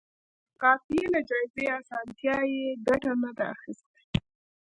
د قافیې له جائزې اسانتیا یې ګټه نه ده اخیستې.